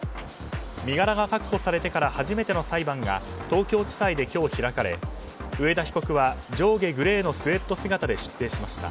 身柄が確保されてから初めての裁判が東京地裁で今日開かれ上田被告は上下グレーのスウェット姿で出廷しました。